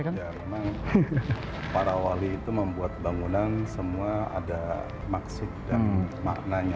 karena para wali itu membuat bangunan semua ada maksud dan maknanya